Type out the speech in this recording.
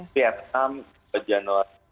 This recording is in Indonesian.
vietnam ke jawa